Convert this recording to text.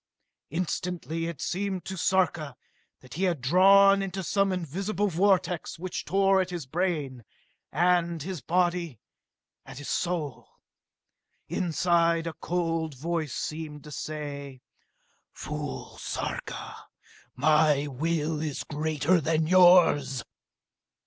Instantly it seemed to Sarka that he had drawn into some invisible vortex which tore at his brain, at his body, at his soul. Inside him a cold voice seemed to say: "Fool, Sarka! My will is greater than yours!"